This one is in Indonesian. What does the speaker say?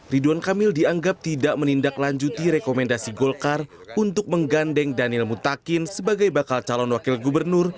ridwan kamil dianggap tidak menindaklanjuti rekomendasi golkar untuk menggandeng daniel mutakin sebagai bakal calon wakil gubernur